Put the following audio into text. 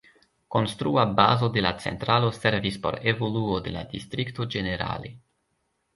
Konstrua bazo de la centralo servis por evoluo de la distrikto ĝenerale.